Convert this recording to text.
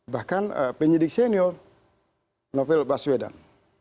bahkan penyidik senior novel baswedan